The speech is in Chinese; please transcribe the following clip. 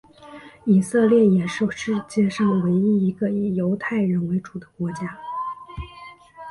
以色列也是世界上唯一一个以犹太人为主的国家。